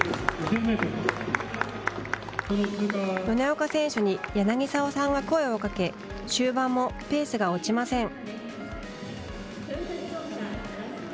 米岡選手に柳澤さんが声をかけ終盤もペースが落ちません。